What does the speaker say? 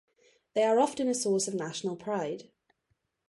They are often a source of national pride.